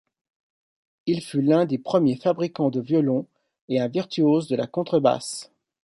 Il fut l'un des premiers fabricants de violon et un virtuose de la contrebasse.